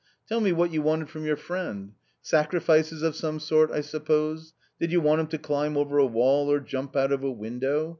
" Tell me what you wanted from your friend ? sacrifices of some sort, I suppose ; did you want him to climb over a wall or jump out of a window